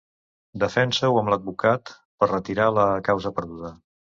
Defensa-ho amb l'advocat per retirar la causa perduda.